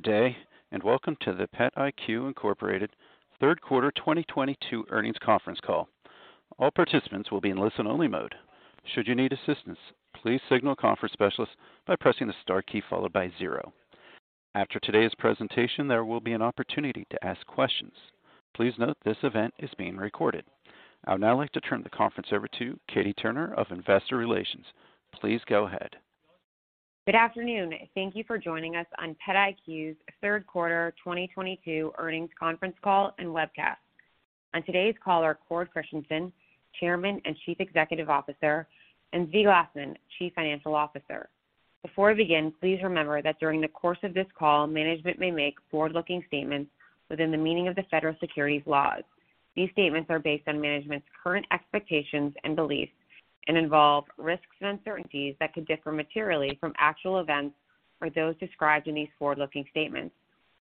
day, and welcome to the PetIQ, Inc. third quarter 2022 earnings conference call. All participants will be in listen-only mode. Should you need assistance, please signal a conference specialist by pressing the Star key followed by zero. After today's presentation, there will be an opportunity to ask questions. Please note this event is being recorded. I would now like to turn the conference over to Katie Turner of Investor Relations. Please go ahead. Good afternoon. Thank you for joining us on PetIQ's third quarter 2022 earnings conference call and webcast. On today's call are Cord Christensen, Chairman and Chief Executive Officer, and Zvi Glasman, Chief Financial Officer. Before we begin, please remember that during the course of this call, management may make forward-looking statements within the meaning of the Federal Securities laws. These statements are based on management's current expectations and beliefs and involve risks and uncertainties that could differ materially from actual events or those described in these forward-looking statements.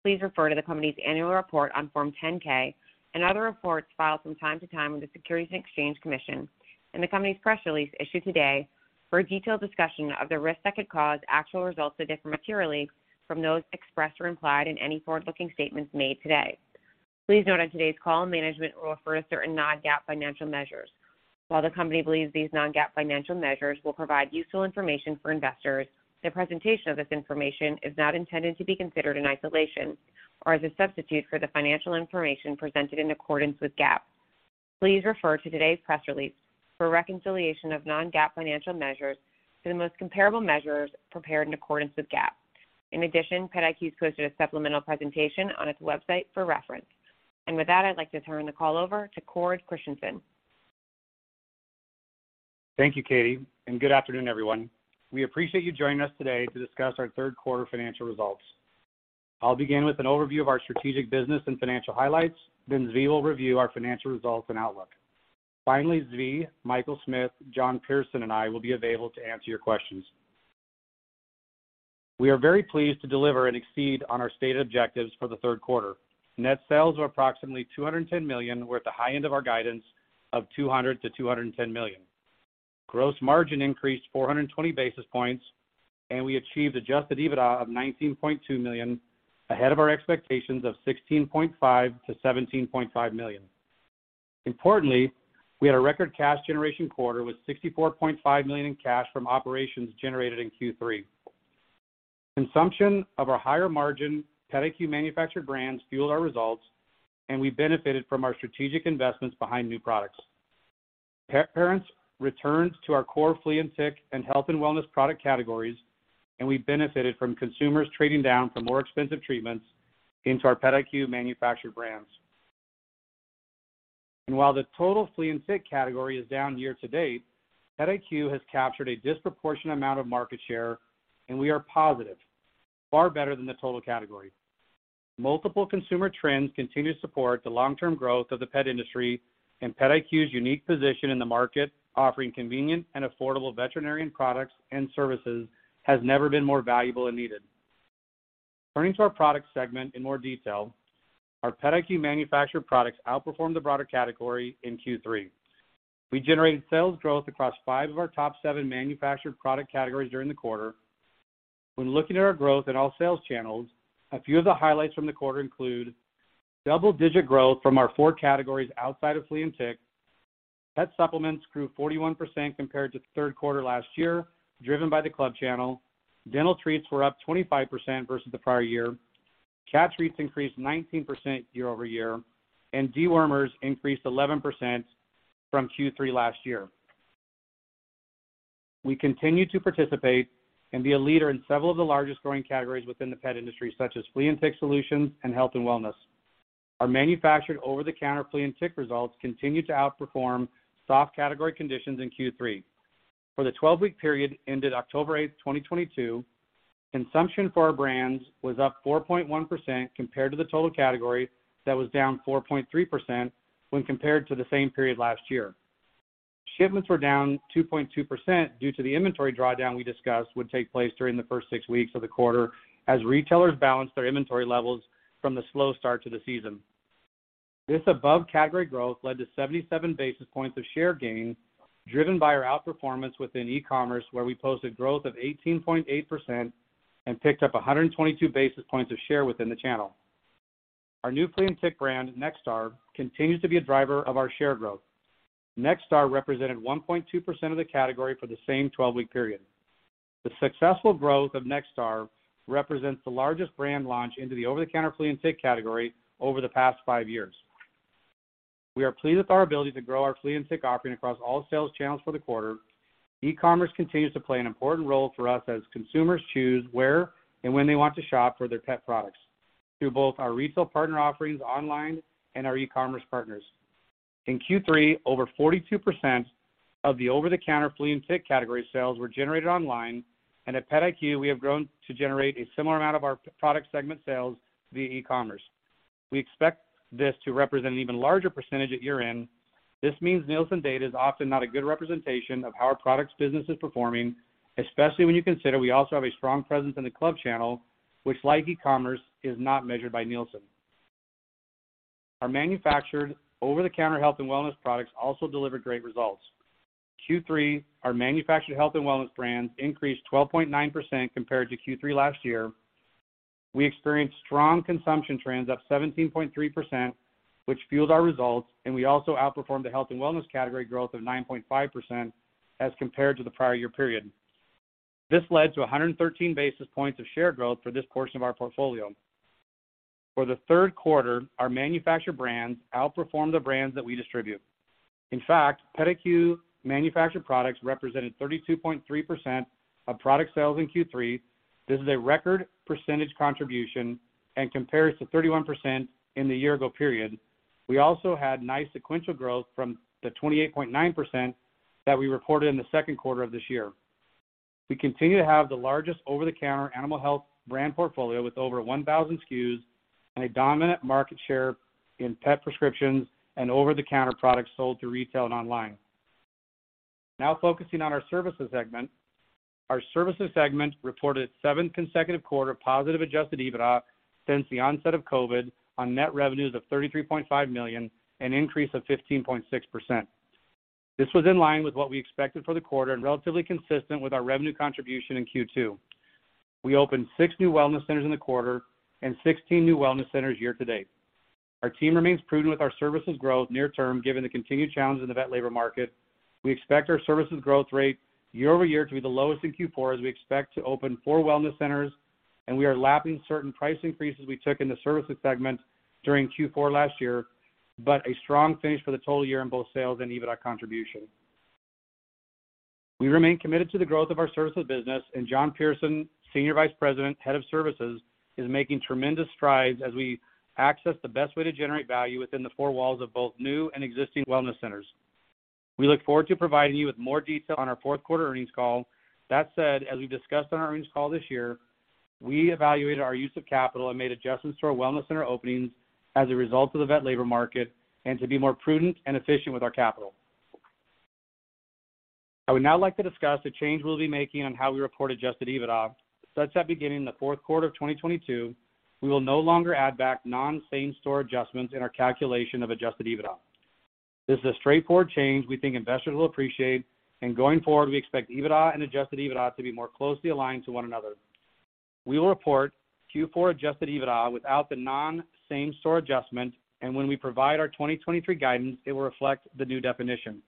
Please refer to the company's annual report on Form 10-K and other reports filed from time to time with the Securities and Exchange Commission and the company's press release issued today for a detailed discussion of the risks that could cause actual results to differ materially from those expressed or implied in any forward-looking statements made today. Please note on today's call, management will refer to certain non-GAAP financial measures. While the company believes these non-GAAP financial measures will provide useful information for investors, the presentation of this information is not intended to be considered in isolation or as a substitute for the financial information presented in accordance with GAAP. Please refer to today's press release for a reconciliation of non-GAAP financial measures to the most comparable measures prepared in accordance with GAAP. In addition, PetIQ posted a supplemental presentation on its website for reference. With that, I'd like to turn the call over to Cord Christensen. Thank you, Katie, and good afternoon, everyone. We appreciate you joining us today to discuss our third quarter financial results. I'll begin with an overview of our strategic business and financial highlights. Then Z will review our financial results and outlook. Finally, Z, Michael Smith, John Pearson, and I will be available to answer your questions. We are very pleased to deliver and exceed on our stated objectives for the third quarter. Net sales were approximately $210 million. We're at the high end of our guidance of $200-$210 million. Gross margin increased 420 basis points, and we achieved adjusted EBITDA of $19.2 million ahead of our expectations of $16.5-$17.5 million. Importantly, we had a record cash generation quarter with $64.5 million in cash from operations generated in Q3. Consumption of our higher margin PetIQ manufactured brands fueled our results, and we benefited from our strategic investments behind new products. Pet parents returned to our core flea and tick and health and wellness product categories, and we benefited from consumers trading down from more expensive treatments into our PetIQ manufactured brands. While the total flea and tick category is down year to date, PetIQ has captured a disproportionate amount of market share, and we are positive, far better than the total category. Multiple consumer trends continue to support the long-term growth of the pet industry and PetIQ's unique position in the market, offering convenient and affordable veterinary products and services has never been more valuable and needed. Turning to our product segment in more detail, our PetIQ manufactured products outperformed the broader category in Q3. We generated sales growth across five of our top seven manufactured product categories during the quarter. When looking at our growth in all sales channels, a few of the highlights from the quarter include double-digit growth from our four categories outside of flea and tick. Pet supplements grew 41% compared to third quarter last year, driven by the club channel. Dental treats were up 25% versus the prior year. Cat treats increased 19% year over year, and dewormers increased 11% from Q3 last year. We continue to participate and be a leader in several of the largest growing categories within the pet industry, such as flea and tick solutions and health and wellness. Our manufactured over-the-counter flea and tick results continue to outperform soft category conditions in Q3. For the 12-week period ended October 8, 2022, consumption for our brands was up 4.1% compared to the total category that was down 4.3% when compared to the same period last year. Shipments were down 2.2% due to the inventory drawdown we discussed would take place during the first six weeks of the quarter as retailers balanced their inventory levels from the slow start to the season. This above-category growth led to 77 basis points of share gain, driven by our outperformance within e-commerce, where we posted growth of 18.8% and picked up 122 basis points of share within the channel. Our new flea and tick brand, NextStar, continues to be a driver of our share growth. NextStar represented 1.2% of the category for the same 12-week period. The successful growth of NextStar represents the largest brand launch into the over-the-counter flea and tick category over the past five years. We are pleased with our ability to grow our flea and tick offering across all sales channels for the quarter. E-commerce continues to play an important role for us as consumers choose where and when they want to shop for their pet products through both our retail partner offerings online and our e-commerce partners. In Q3, over 42% of the over-the-counter flea and tick category sales were generated online, and at PetIQ, we have grown to generate a similar amount of our product segment sales via e-commerce. We expect this to represent an even larger percentage at year-end. This means Nielsen data is often not a good representation of how our products business is performing, especially when you consider we also have a strong presence in the club channel, which like e-commerce, is not measured by Nielsen. Our manufactured over-the-counter health and wellness products also delivered great results. Q3, our manufactured health and wellness brands increased 12.9% compared to Q3 last year. We experienced strong consumption trends up 17.3%, which fueled our results, and we also outperformed the health and wellness category growth of 9.5% as compared to the prior year period. This led to 113 basis points of share growth for this portion of our portfolio. For the third quarter, our manufacturer brands outperformed the brands that we distribute. In fact, PetIQ manufactured products represented 32.3% of product sales in Q3. This is a record percentage contribution and compares to 31% in the year ago period. We also had nice sequential growth from the 28.9% that we reported in the second quarter of this year. We continue to have the largest over-the-counter animal health brand portfolio with over 1,000 SKUs and a dominant market share in pet prescriptions and over-the-counter products sold through retail and online. Now focusing on our services segment. Our services segment reported its seventh consecutive quarter of positive adjusted EBITDA since the onset of COVID on net revenues of $33.5 million, an increase of 15.6%. This was in line with what we expected for the quarter and relatively consistent with our revenue contribution in Q2. We opened six new wellness centers in the quarter and 16 new wellness centers year to date. Our team remains prudent with our services growth near term, given the continued challenges in the vet labor market. We expect our services growth rate year-over-year to be the lowest in Q4 as we expect to open four wellness centers and we are lapping certain price increases we took in the services segment during Q4 last year, but a strong finish for the total year in both sales and EBITDA contribution. We remain committed to the growth of our services business and John Pearson, Senior Vice President, Head of Services Division, is making tremendous strides as we assess the best way to generate value within the four walls of both new and existing wellness centers. We look forward to providing you with more detail on our fourth quarter earnings call. That said, as we discussed on our earnings call this year, we evaluated our use of capital and made adjustments to our wellness center openings as a result of the vet labor market and to be more prudent and efficient with our capital. I would now like to discuss the change we'll be making on how we report adjusted EBITDA. Such that beginning the fourth quarter of 2022, we will no longer add back non-same store adjustments in our calculation of adjusted EBITDA. This is a straightforward change we think investors will appreciate, and going forward, we expect EBITDA and adjusted EBITDA to be more closely aligned to one another. We will report Q4 adjusted EBITDA without the non-same store adjustment, and when we provide our 2023 guidance, it will reflect the new definition.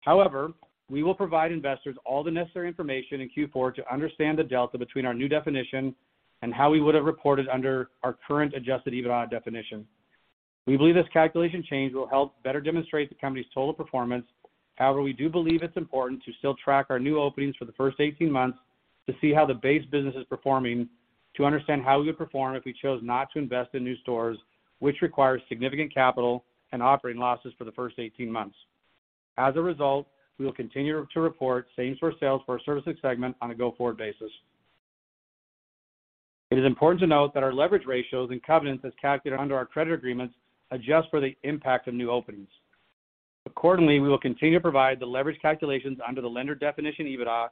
However, we will provide investors all the necessary information in Q4 to understand the delta between our new definition and how we would have reported under our current adjusted EBITDA definition. We believe this calculation change will help better demonstrate the company's total performance. However, we do believe it's important to still track our new openings for the first 18 months to see how the base business is performing to understand how we would perform if we chose not to invest in new stores, which requires significant capital and operating losses for the first 18 months. As a result, we will continue to report same store sales for our services segment on a go-forward basis. It is important to note that our leverage ratios and covenants as calculated under our credit agreements adjust for the impact of new openings. Accordingly, we will continue to provide the leverage calculations under the lender definition EBITDA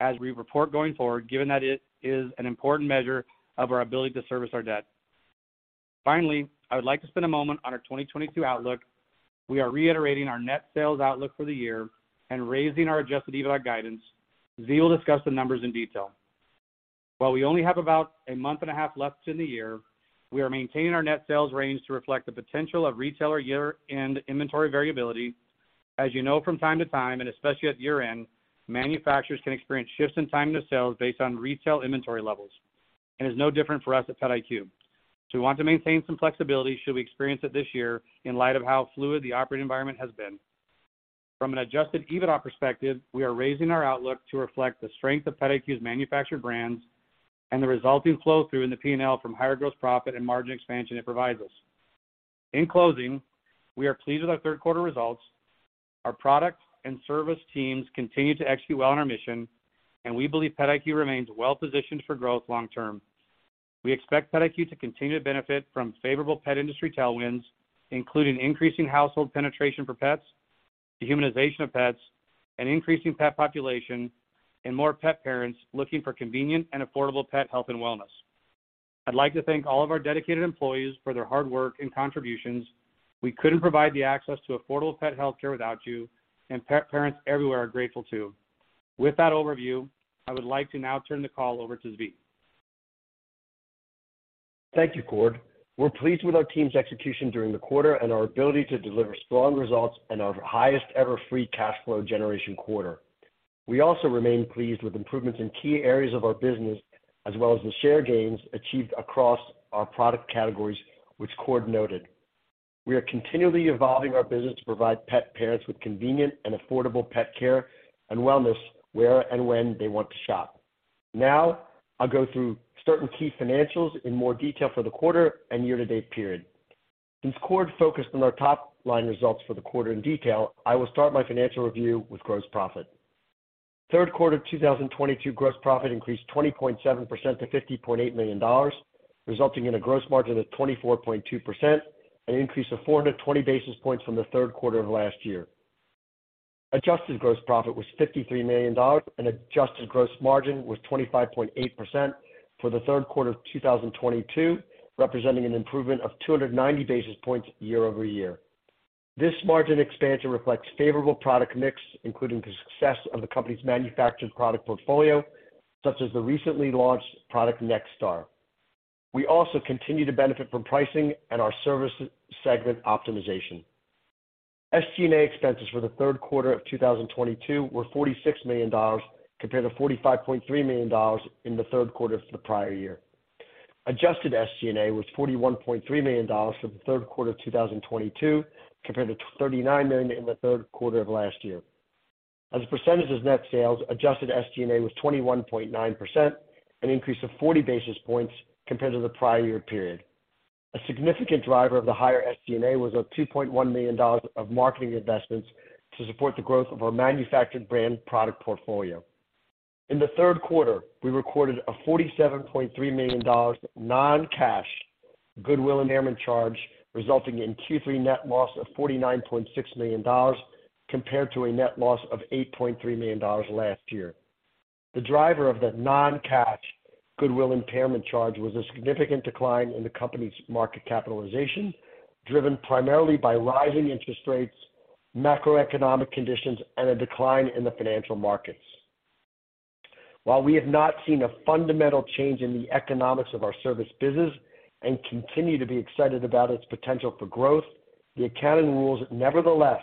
as we report going forward, given that it is an important measure of our ability to service our debt. Finally, I would like to spend a moment on our 2022 outlook. We are reiterating our net sales outlook for the year and raising our adjusted EBITDA guidance. Zvi will discuss the numbers in detail. While we only have about a month and a half left in the year, we are maintaining our net sales range to reflect the potential of retailer year-end inventory variability. As you know, from time to time, and especially at year-end, manufacturers can experience shifts in timing of sales based on retail inventory levels. It's no different for us at PetIQ. We want to maintain some flexibility should we experience it this year in light of how fluid the operating environment has been. From an adjusted EBITDA perspective, we are raising our outlook to reflect the strength of PetIQ's manufactured brands and the resulting flow through in the P&L from higher gross profit and margin expansion it provides us. In closing, we are pleased with our third quarter results. Our product and service teams continue to execute well on our mission, and we believe PetIQ remains well-positioned for growth long term. We expect PetIQ to continue to benefit from favorable pet industry tailwinds, including increasing household penetration for pets, the humanization of pets, an increasing pet population, and more pet parents looking for convenient and affordable pet health and wellness. I'd like to thank all of our dedicated employees for their hard work and contributions. We couldn't provide the access to affordable pet health care without you, and pet parents everywhere are grateful too. With that overview, I would like to now turn the call over to Zvi. Thank you, Cord. We're pleased with our team's execution during the quarter and our ability to deliver strong results and our highest ever free cash flow generation quarter. We also remain pleased with improvements in key areas of our business, as well as the share gains achieved across our product categories, which Cord noted. We are continually evolving our business to provide pet parents with convenient and affordable pet care and wellness where and when they want to shop. Now, I'll go through certain key financials in more detail for the quarter and year-to-date period. Since Cord focused on our top line results for the quarter in detail, I will start my financial review with gross profit. Third quarter of 2022 gross profit increased 20.7% to $50.8 million, resulting in a gross margin of 24.2%, an increase of 420 basis points from the third quarter of last year. Adjusted gross profit was $53 million and adjusted gross margin was 25.8% for the third quarter of 2022, representing an improvement of 290 basis points year-over-year. This margin expansion reflects favorable product mix, including the success of the company's manufactured product portfolio, such as the recently launched product, NextStar. We also continue to benefit from pricing and our service segment optimization. SG&A expenses for the third quarter of 2022 were $46 million compared to $45.3 million in the third quarter of the prior year. Adjusted SG&A was $41.3 million for the third quarter of 2022 compared to $39 million in the third quarter of last year. As a percentage of net sales, adjusted SG&A was 21.9%, an increase of 40 basis points compared to the prior year period. A significant driver of the higher SG&A was a $2.1 million of marketing investments to support the growth of our manufactured brand product portfolio. In the third quarter, we recorded a $47.3 million non-cash goodwill impairment charge, resulting in Q3 net loss of $49.6 million compared to a net loss of $8.3 million last year. The driver of the non-cash goodwill impairment charge was a significant decline in the company's market capitalization, driven primarily by rising interest rates, macroeconomic conditions, and a decline in the financial markets. While we have not seen a fundamental change in the economics of our service business and continue to be excited about its potential for growth, the accounting rules nevertheless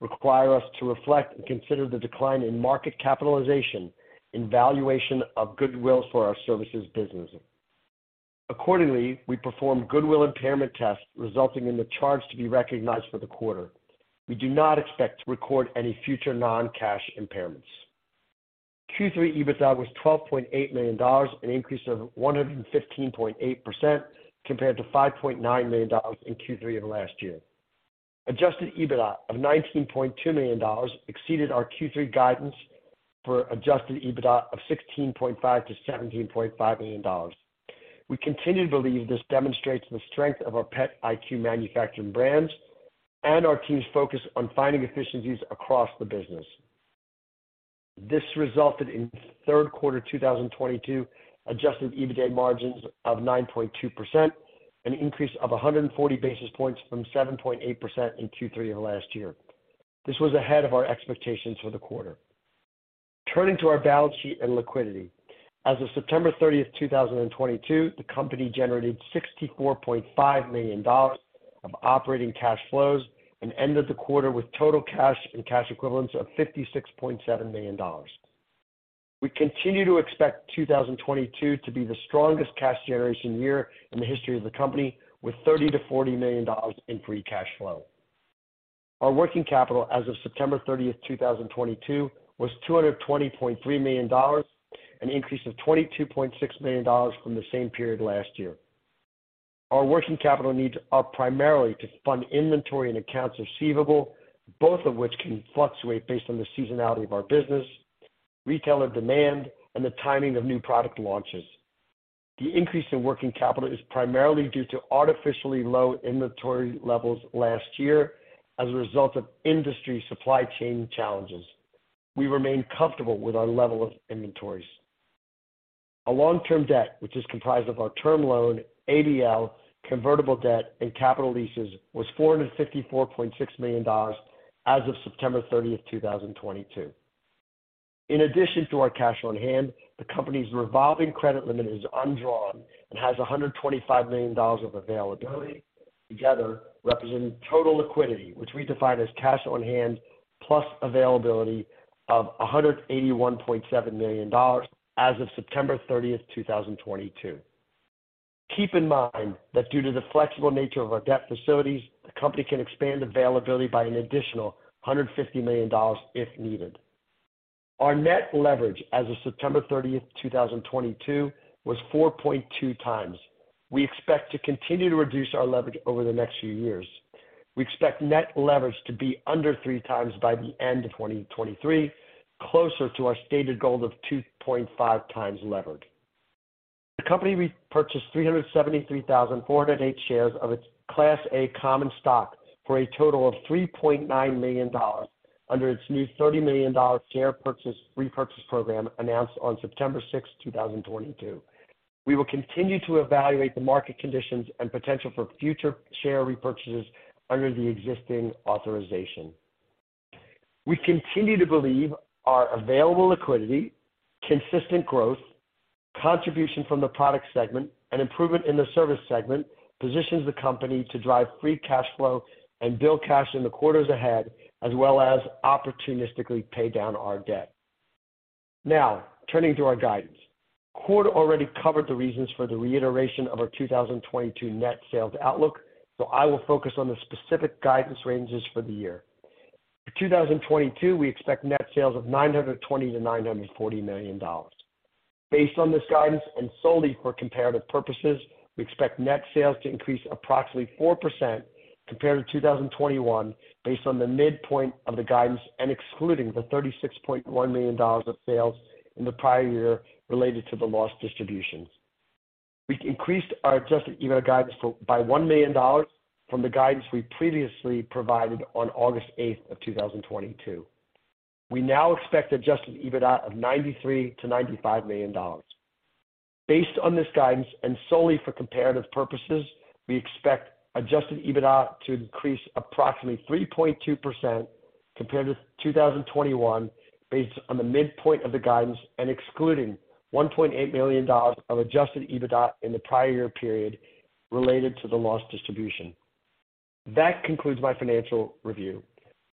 require us to reflect and consider the decline in market capitalization in valuation of goodwill for our services business. Accordingly, we performed goodwill impairment tests resulting in the charge to be recognized for the quarter. We do not expect to record any future non-cash impairments. Q3 EBITDA was $12.8 million, an increase of 115.8% compared to $5.9 million in Q3 of last year. Adjusted EBITDA of $19.2 million exceeded our Q3 guidance for adjusted EBITDA of $16.5-$17.5 million. We continue to believe this demonstrates the strength of our PetIQ manufacturing brands and our team's focus on finding efficiencies across the business. This resulted in third quarter 2022 adjusted EBITDA margins of 9.2%, an increase of 140 basis points from 7.8% in Q3 of last year. This was ahead of our expectations for the quarter. Turning to our balance sheet and liquidity. As of September 30, 2022, the company generated $64.5 million of operating cash flows and ended the quarter with total cash and cash equivalents of $56.7 million. We continue to expect 2022 to be the strongest cash generation year in the history of the company, with $30-$40 million in free cash flow. Our working capital as of September 30, 2022 was $220.3 million, an increase of $22.6 million from the same period last year. Our working capital needs are primarily to fund inventory and accounts receivable, both of which can fluctuate based on the seasonality of our business, retailer demand, and the timing of new product launches. The increase in working capital is primarily due to artificially low inventory levels last year as a result of industry supply chain challenges. We remain comfortable with our level of inventories. Our long-term debt, which is comprised of our term loan, ABL, convertible debt, and capital leases, was $454.6 million as of September thirtieth, 2022. In addition to our cash on hand, the company's revolving credit limit is undrawn and has $125 million of availability, together representing total liquidity, which we define as cash on hand plus availability of $181.7 million as of September thirtieth, 2022. Keep in mind that due to the flexible nature of our debt facilities, the company can expand availability by an additional $150 million if needed. Our net leverage as of September thirtieth, 2022 was 4.2 times. We expect to continue to reduce our leverage over the next few years. We expect net leverage to be under 3x by the end of 2023, closer to our stated goal of 2.5x leverage. The company repurchased 373,408 shares of its Class A common stock for a total of $3.9 million under its new $30 million share purchase repurchase program announced on September six, 2022. We will continue to evaluate the market conditions and potential for future share repurchases under the existing authorization. We continue to believe our available liquidity, consistent growth, contribution from the product segment, and improvement in the service segment positions the company to drive free cash flow and build cash in the quarters ahead, as well as opportunistically pay down our debt. Now, turning to our guidance. Cord already covered the reasons for the reiteration of our 2022 net sales outlook, so I will focus on the specific guidance ranges for the year. For 2022, we expect net sales of $920 million-$940 million. Based on this guidance and solely for comparative purposes, we expect net sales to increase approximately 4% compared to 2021 based on the midpoint of the guidance and excluding the $36.1 million of sales in the prior year related to the lost distribution. We increased our adjusted EBITDA guidance by $1 million from the guidance we previously provided on August eight, 2022. We now expect adjusted EBITDA of $93 million-$95 million. Based on this guidance and solely for comparative purposes, we expect adjusted EBITDA to increase approximately 3.2% compared to 2021, based on the midpoint of the guidance and excluding $1.8 million of adjusted EBITDA in the prior year period related to the lost distribution. That concludes my financial review.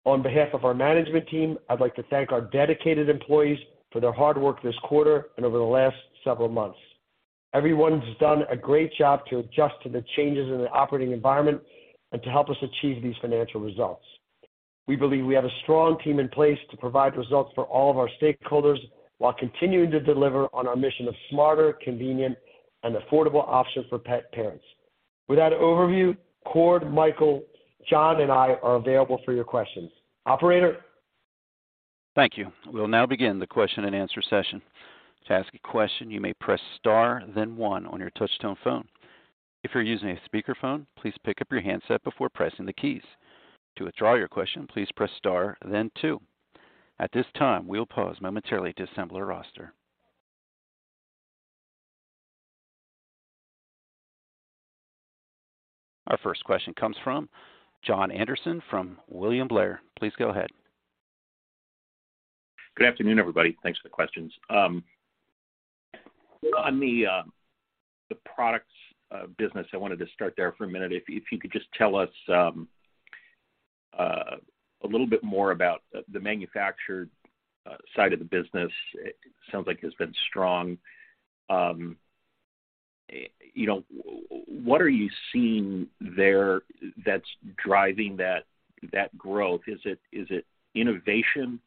On behalf of our management team, I'd like to thank our dedicated employees for their hard work this quarter and over the last several months. Everyone's done a great job to adjust to the changes in the operating environment and to help us achieve these financial results. We believe we have a strong team in place to provide results for all of our stakeholders while continuing to deliver on our mission of smarter, convenient, and affordable options for pet parents. With that overview, Cord, Michael, John, and I are available for your questions. Operator. Thank you. We'll now begin the question and answer session. To ask a question, you may press Star then one on your touchtone phone. If you're using a speakerphone, please pick up your handset before pressing the keys. To withdraw your question, please press Star then two. At this time, we'll pause momentarily to assemble a roster. Our first question comes from Jon Andersen from William Blair. Please go ahead. Good afternoon, everybody. Thanks for the questions. On the products business, I wanted to start there for a minute. If you could just tell us a little bit more about the manufactured side of the business. It sounds like it's been strong. You know, what are you seeing there that's driving that growth? Is it innovation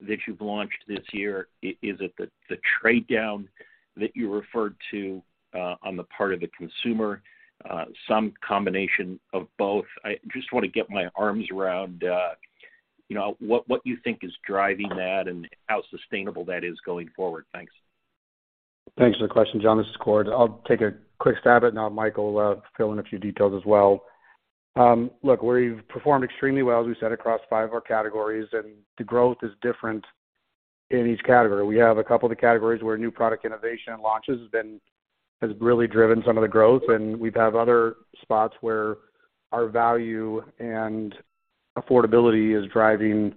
that you've launched this year? Is it the trade down that you referred to on the part of the consumer? Some combination of both. I just wanna get my arms around, you know, what you think is driving that and how sustainable that is going forward. Thanks. Thanks for the question, John. This is Cord. I'll take a quick stab at it and then Michael will fill in a few details as well. Look, we've performed extremely well, as we said, across five of our categories, and the growth is different in each category. We have a couple of the categories where new product innovation and launches has really driven some of the growth. We have other spots where our value and affordability is driving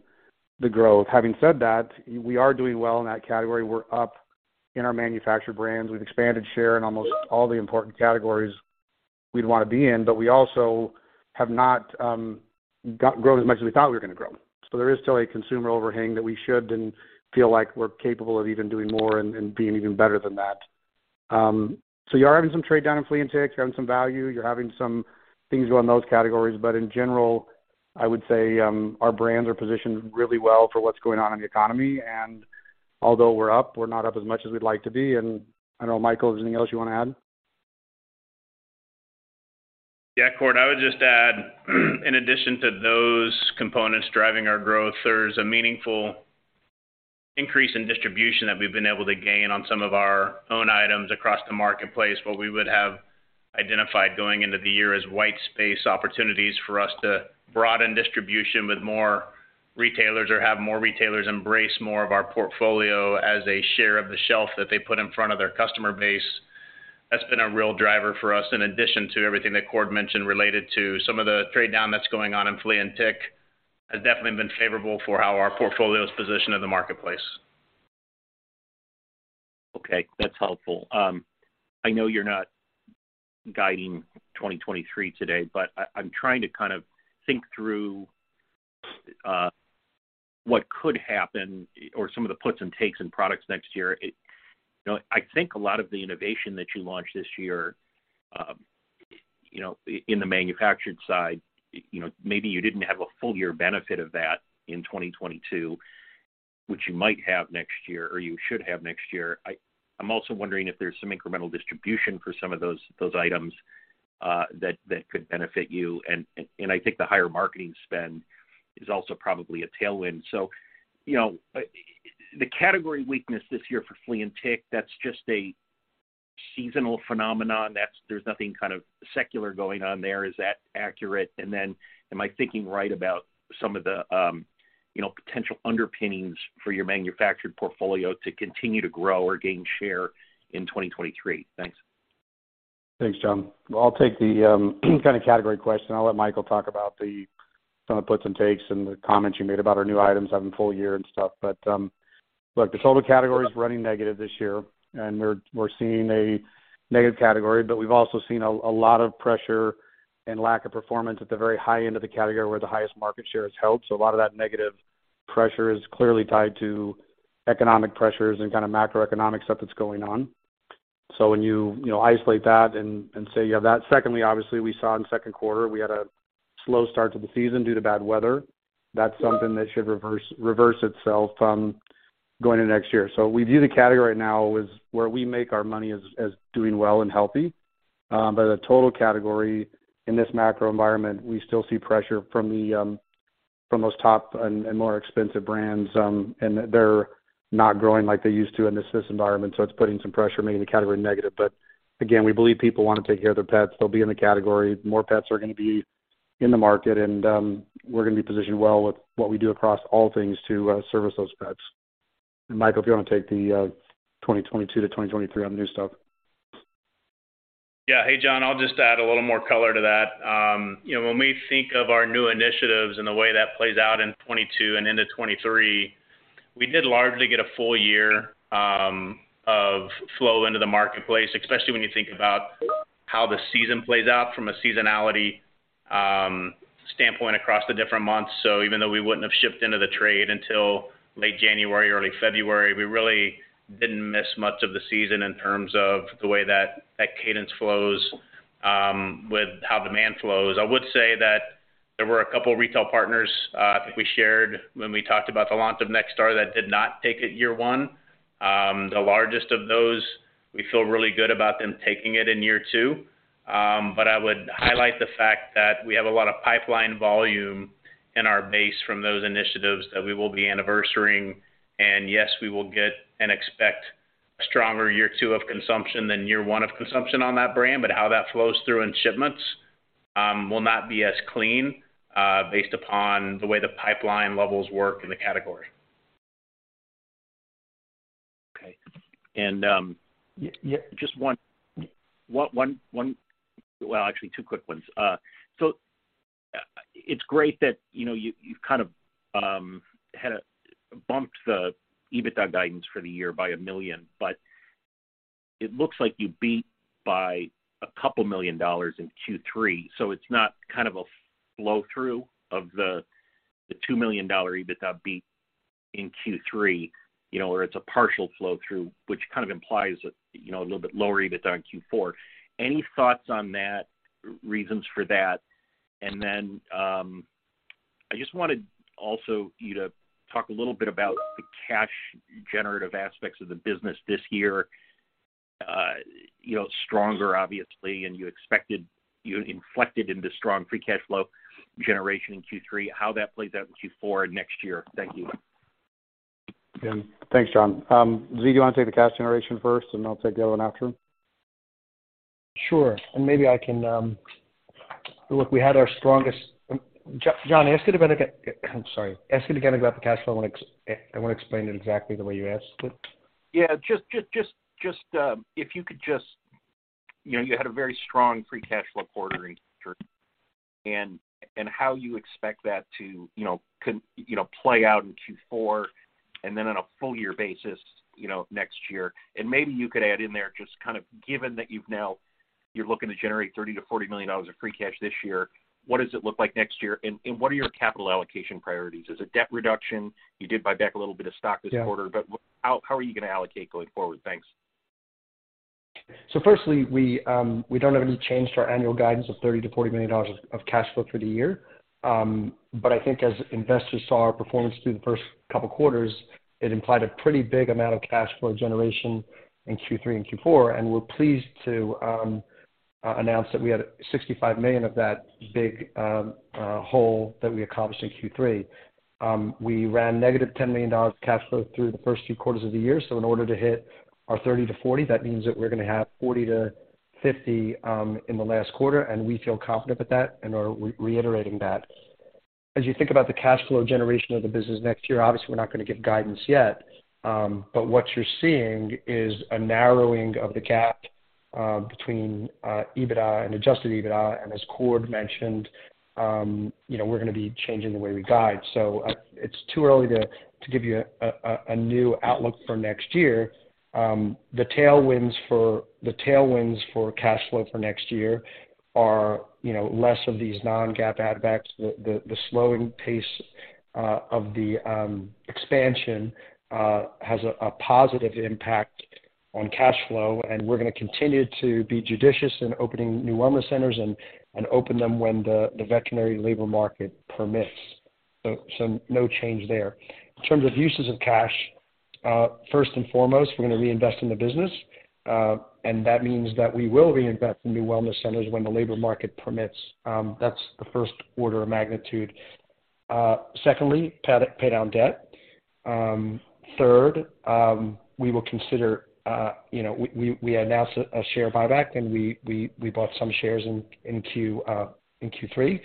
the growth. Having said that, we are doing well in that category. We're up in our manufactured brands. We've expanded share in almost all the important categories we'd wanna be in, but we also have not grown as much as we thought we were gonna grow. There is still a consumer overhang that we should and feel like we're capable of even doing more and being even better than that. You are having some trade down in flea and tick. You're having some value. You're having some things go in those categories. But in general, I would say our brands are positioned really well for what's going on in the economy. Although we're up, we're not up as much as we'd like to be. I don't know, Michael, is there anything else you wanna add? Yeah, Cord. I would just add, in addition to those components driving our growth, there's a meaningful increase in distribution that we've been able to gain on some of our own items across the marketplace. What we would have identified going into the year as white space opportunities for us to broaden distribution with more retailers or have more retailers embrace more of our portfolio as a share of the shelf that they put in front of their customer base. That's been a real driver for us, in addition to everything that Cord mentioned related to some of the trade-down that's going on in flea and tick, has definitely been favorable for how our portfolio is positioned in the marketplace. Okay, that's helpful. I know you're not guiding 2023 today, but I'm trying to kind of think through what could happen or some of the puts and takes in products next year. You know, I think a lot of the innovation that you launched this year, you know, in the manufactured side, you know, maybe you didn't have a full year benefit of that in 2022, which you might have next year, or you should have next year. I'm also wondering if there's some incremental distribution for some of those items that could benefit you. I think the higher marketing spend is also probably a tailwind. You know, the category weakness this year for flea and tick, that's just a seasonal phenomenon. There's nothing kind of secular going on there. Is that accurate? Then am I thinking right about some of the, you know, potential underpinnings for your manufactured portfolio to continue to grow or gain share in 2023? Thanks. Thanks, John. Well, I'll take the kinda category question. I'll let Michael talk about some of the puts and takes and the comments you made about our new items having full year and stuff. Look, the total category is running negative this year, and we're seeing a negative category, but we've also seen a lot of pressure and lack of performance at the very high end of the category where the highest market share is held. A lot of that negative pressure is clearly tied to economic pressures and kind of macroeconomic stuff that's going on. When you know, isolate that and say you have that. Secondly, obviously we saw in second quarter, we had a slow start to the season due to bad weather. That's something that should reverse itself going into next year. We view the category right now as where we make our money as doing well and healthy. But the total category in this macro environment, we still see pressure from those top and more expensive brands, and they're not growing like they used to in this environment, so it's putting some pressure, making the category negative. But again, we believe people wanna take care of their pets. They'll be in the category. More pets are gonna be in the market, and we're gonna be positioned well with what we do across all things to service those pets. Michael, if you wanna take the 2022 to 2023 on the new stuff. Yeah. Hey, John, I'll just add a little more color to that. You know, when we think of our new initiatives and the way that plays out in 2022 and into 2023, we did largely get a full year of flow into the marketplace, especially when you think about how the season plays out from a seasonality standpoint across the different months. Even though we wouldn't have shipped into the trade until late January, early February, we really didn't miss much of the season in terms of the way that that cadence flows with how demand flows. I would say that there were a couple of retail partners. I think we shared when we talked about the launch of NextStar that did not take it year one. The largest of those, we feel really good about them taking it in year two. I would highlight the fact that we have a lot of pipeline volume in our base from those initiatives that we will be anniversarying. Yes, we will get and expect stronger year two of consumption than year one of consumption on that brand. How that flows through in shipments will not be as clean based upon the way the pipeline levels work in the category. Okay. Yeah, just one. Well, actually two quick ones. It's great that, you know, you've kind of had bumped the EBITDA guidance for the year by $1 million, but it looks like you beat by $2 million in Q3. It's not kind of a flow-through of the $2 million EBITDA beat in Q3, you know, or it's a partial flow-through, which kind of implies, you know, a little bit lower EBITDA in Q4. Any thoughts on that, reasons for that? Then, I just wanted also you to talk a little bit about the cash generative aspects of the business this year, you know, stronger obviously than you expected. The inflection in the strong free cash flow generation in Q3, how that plays out in Q4 next year. Thank you. Yeah. Thanks, John. Z, do you wanna take the cash generation first, and I'll take the other one after? Sure. John, ask it again. I'm sorry. Ask it again about the cash flow, and I want to explain it exactly the way you asked it. Yeah, just if you could just, you know, you had a very strong free cash flow quarter in Q3. How you expect that to, you know, play out in Q4 and then on a full year basis, you know, next year. Maybe you could add in there just kind of given that you are looking to generate $30 million-$40 million of free cash this year, what does it look like next year? What are your capital allocation priorities? Is it debt reduction? You did buy back a little bit of stock this quarter. Yeah. How are you gonna allocate going forward? Thanks. Firstly, we don't have any change to our annual guidance of $30 million-$40 million of cash flow through the year. I think as investors saw our performance through the first couple quarters, it implied a pretty big amount of cash flow generation in Q3 and Q4, and we're pleased to announce that we had $65 million of that big goal that we accomplished in Q3. We ran negative $10 million cash flow through the first two quarters of the year. In order to hit our $30 million-$40 million, that means that we're gonna have $40 million-$50 million in the last quarter, and we feel confident with that and are reiterating that. As you think about the cash flow generation of the business next year, obviously, we're not gonna give guidance yet, but what you're seeing is a narrowing of the gap between EBITDA and adjusted EBITDA. As Cord mentioned, you know, we're gonna be changing the way we guide. It's too early to give you a new outlook for next year. The tailwinds for cash flow for next year are, you know, less of these non-GAAP add backs. The slowing pace of the expansion has a positive impact on cash flow, and we're gonna continue to be judicious in opening new wellness centers and open them when the veterinary labor market permits. No change there. In terms of uses of cash, first and foremost, we're gonna reinvest in the business, and that means that we will reinvest in new wellness centers when the labor market permits. That's the first order of magnitude. Second, pay down debt. Third, we will consider, you know, we announced a share buyback, and we bought some shares in Q3.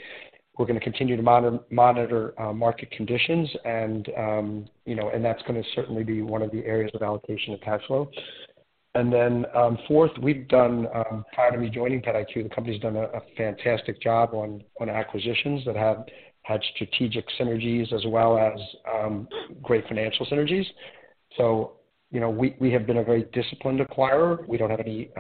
We're gonna continue to monitor market conditions, and you know, and that's gonna certainly be one of the areas of allocation of cash flow. Then, fourth, we've done, prior to me joining PetIQ, the company's done a fantastic job on acquisitions that have had strategic synergies as well as great financial synergies. You know, we have been a very disciplined acquirer. We don't have any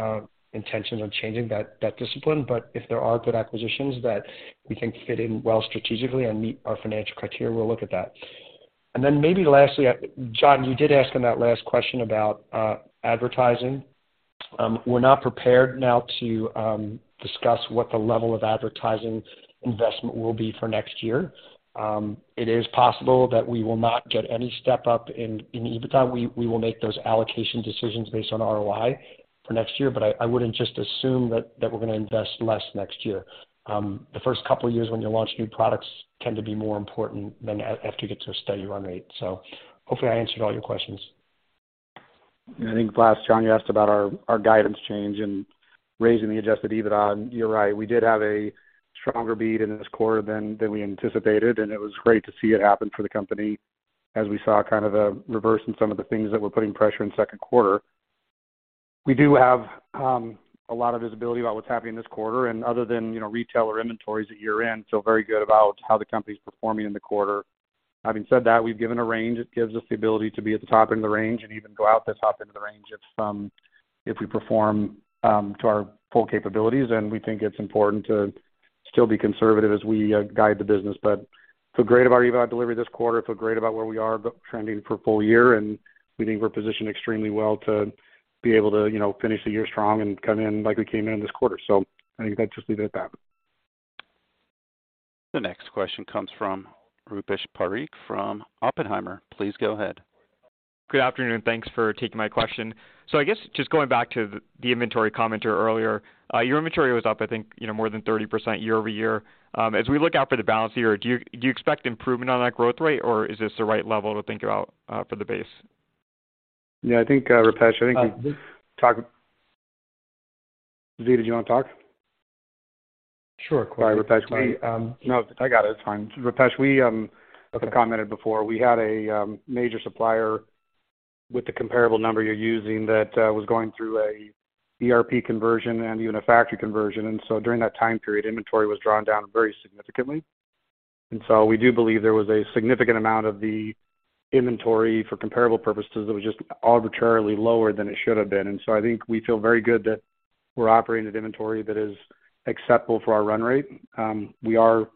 intentions on changing that discipline. If there are good acquisitions that we think fit in well strategically and meet our financial criteria, we'll look at that. Then maybe lastly, John, you did ask in that last question about advertising. We're not prepared now to discuss what the level of advertising investment will be for neext year. It is possible that we will not get any step-up in EBITDA. We will make those allocation decisions based on ROI for next year, I wouldn't just assume that we're gonna invest less next year. The first couple of years when you launch new products tend to be more important than after you get to a steady run rate. Hopefully I answered all your questions. I think last, John, you asked about our guidance change and raising the adjusted EBITDA, and you're right. We did have a stronger beat in this quarter than we anticipated, and it was great to see it happen for the company as we saw kind of a reverse in some of the things that were putting pressure in second quarter. We do have a lot of visibility about what's happening this quarter, and other than, you know, retail or inventories at year-end, feel very good about how the company's performing in the quarter. Having said that, we've given a range. It gives us the ability to be at the top end of the range and even go out the top end of the range if we perform to our full capabilities, and we think it's important to still be conservative as we guide the business. Feel great about our EBITDA delivery this quarter, feel great about where we are but trending for full year, and we think we're positioned extremely well to be able to, you know, finish the year strong and come in like we cam e in this quarter. I think I'd just leave it at that. The next question comes from Rupesh Parikh from Oppenheimer. Please go ahead. Good afternoon. Thanks for taking my question. I guess just going back to the inventory comment here earlier. Your inventory was up, I think, you know, more than 30% year-over-year. As we look out for the balance of the year, do you expect improvement on that growth rate, or is this the right level to think about for the base? Yeah, I think, Rupesh, I think we've talked. Zvi, did you wanna talk? Sure. Sorry, Rupesh. We No, I got it. It's fine. Rupesh, we, as I commented before, we had a major supplier with the comparable number you're using that was going through a ERP conversion and even a factory conversion. During that time period, inventory was drawn down very significantly. We do believe there was a significant amount of the inventory for comparable purposes that was just arbitrarily lower than it should have been. I think we feel very good that we're operating at inventory that is acceptable for our run rate. We are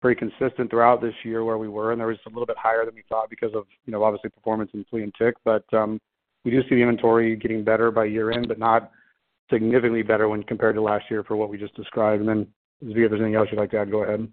pretty consistent throughout this year where we were, and there was a little bit higher than we thought because of, you know, obviously performance in flea and tick. We do see the inventory getting better by year-end, but not significantly better when compared to last year for what we just described. Then Zvi, if there's anything else you'd like to add, go ahead.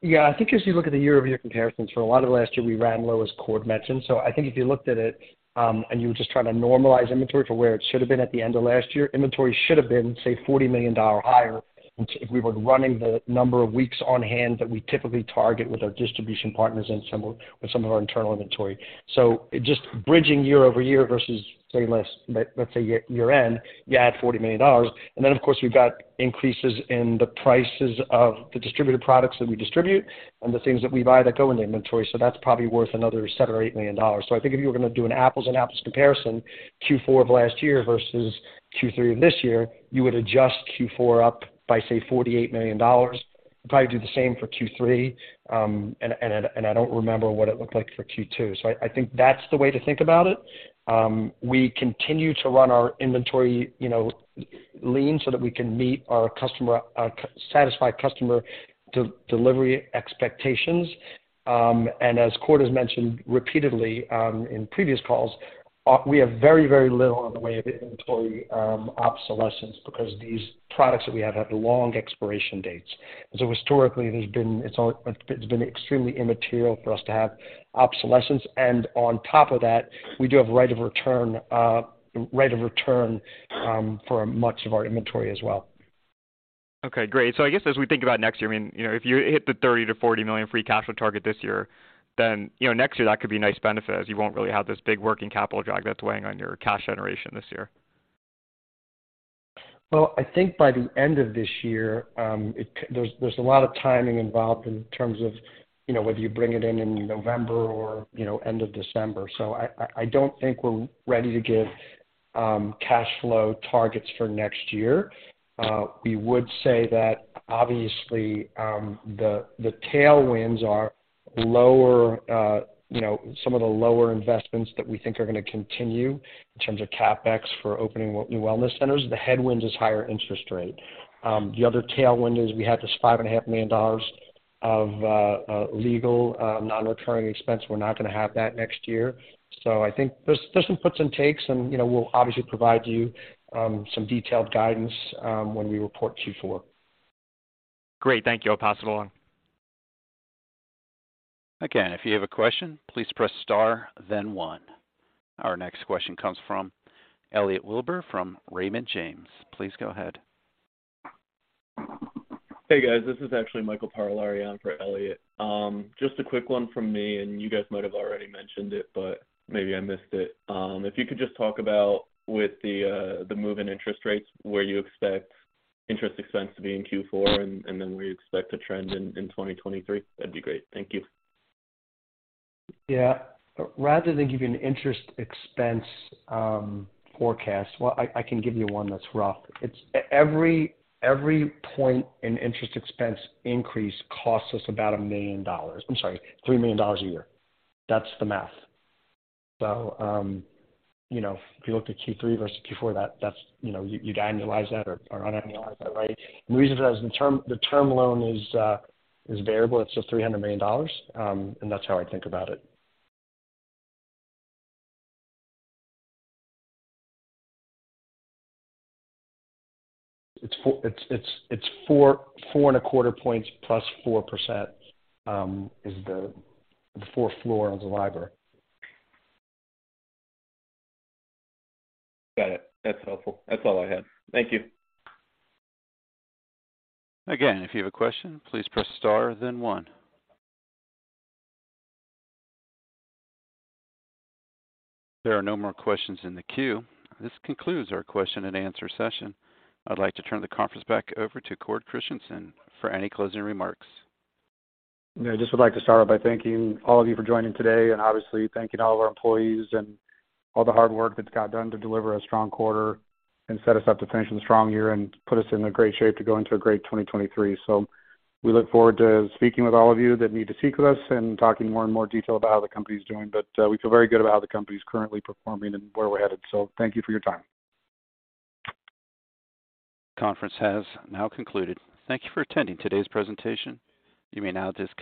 Yeah. I think as you look at the year-over-year comparisons for a lot of last year, we ran low as Cord mentioned. I think if you looked at it, and you were just trying to normalize inventory for where it should have been at the end of last year, inventory should have been, say, $40 million higher if we were running the number of weeks on hand that we typically target with our distribution partners and with some of our internal inventory. Just bridging year-over-year versus, say, let's say year-end, you add $40 million. Then, of course, we've got increases in the prices of the distributed products that we distribute and the things that we buy that go in the inventory, so that's probably worth another $7 or $8 million. I think if you were gonna do an apples and apples comparison, Q4 of last year versus Q3 of this year, you would adjust Q4 up by, say, $48 million. Probably do the same for Q3, and I don't remember what it looked like for Q2. I think that's the way to think about it. We continue to run our inventory, you know, lean so that we can meet our satisfied customer delivery expectations. As Cord has mentioned repeatedly, in previous calls, we have very, very little in the way of inventory obsolescence because these products that we have have long expiration dates. Historically, it's been extremely immaterial for us to have obsolescence. On top of that, we do have right of return for much of our inventory as well. Okay, great. I guess as we think about next year, I mean, you know, if you hit the $30 million-$40 million free cash flow target this year, then, you know, next year, that could be a nice benefit as you won't really have this big working capital drag that's weighing on your cash generation this year. I think by the end of this year, there's a lot of timing involved in terms of, you know, whether you bring it in in November or, you know, end of December. I don't think we're ready to give cash flow targets for next year. We would say that obviously, the tailwinds are lower, you know, some of the lower investments that we think are gonna continue in terms of CapEx for opening new wellness centers. The headwind is higher interest rate. The other tailwind is we had this $5.5 million of legal non-recurring expense. We're not gonna have that next year. I think there's some puts and takes and, you know, we'll obviously provide you some detailed guidance when we report Q4. Great. Thank you. I'll pass it along. Again, if you have a question, please press Star then one. Our next question comes from Elliot Wilbur from Raymond James. Please go ahead. Hey, guys. This is actually Michael Parolari on for Elliot. Just a quick one from me, and you guys might have already mentioned it, but maybe I missed it. If you could just talk about the move in interest rates, where you expect interest expense to be in Q4 and then where you expect to trend in 2023, that'd be great. Thank you. Yeah. Rather than give you an interest expense forecast. Well, I can give you one that's rough. It's every point in interest expense increase costs us about $3 million a year. That's the math. You know, if you looked at Q3 versus Q4, that's, you know, you'd annualize that or unannualize that, right? The reason is the term loan is variable. It's just $300 million, and that's how I think about it. It's 4.25 points plus 4% is the floor of the LIBOR. Got it. That's helpful. That's all I had. Thank you. Again, if you have a question, please press Star then one. There are no more questions in the queue. This concludes our question and answer session. I'd like to turn the conference back over to Cord Christensen for any closing remarks. Yeah, I just would like to start off by thanking all of you for joining today and obviously thanking all of our employees and all the hard work that's got done to deliver a strong quarter and set us up to finish a strong year and put us in a great shape to go into a great 2023. We look forward to speaking with all of you that need to speak with us and talking more and more detail about how the company's doing. We feel very good about how the company's currently performing and where we're headed. Thank you for your time. Conference has now concluded. Thank you for attending today's presentation. You may now disconnect.